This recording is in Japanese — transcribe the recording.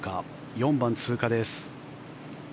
４番、通過です。